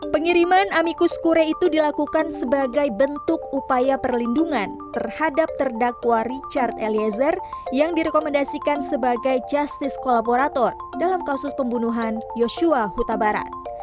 pengiriman amikus kure itu dilakukan sebagai bentuk upaya perlindungan terhadap terdakwa richard eliezer yang direkomendasikan sebagai justice kolaborator dalam kasus pembunuhan yosua huta barat